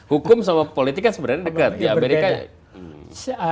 hukum sama politik kan sebenarnya dekat di amerika ya